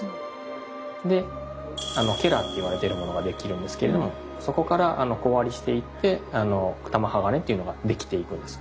でっていわれてるものができるんですけれどもそこから小割りしていって玉鋼っていうのができていくんです。